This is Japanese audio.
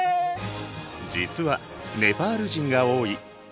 実はネパール人が多い。